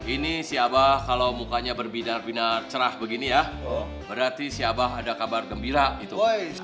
ini si abah kalau mukanya berbinar binar cerah begini ya berarti si abah ada kabar gembira itu